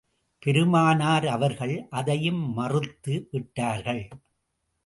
பெருமானார் அவர்கள் அதையும் மறுத்து விட்டார்கள்.